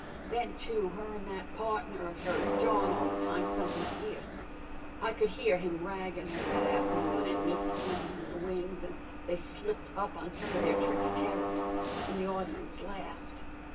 Then, too, her an' that partner of hers jawin' all the time somethin' fierce. I could hear him raggin' her that af'noon, an' me standin' in the wings, an' they slipped up on some of their tricks terrible, an' the audience laughed.